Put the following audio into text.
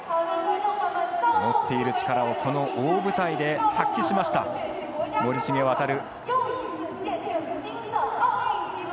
持っている力をこの大舞台で発揮しました、森重航。